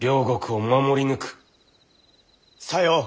さよう。